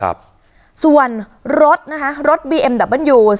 สลับผัดเปลี่ยนกันงมค้นหาต่อเนื่อง๑๐ชั่วโมงด้วยกัน